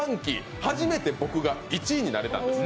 初めて僕が１位になれたんです。